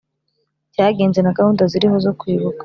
Cyagenze na gahunda ziriho zo kwibuka